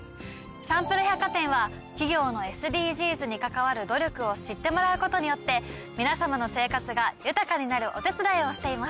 サンプル百貨店は企業のＳＤＧｓに関わる努力を知ってもらうことによって皆さまの生活が豊かになるお手伝いをしています。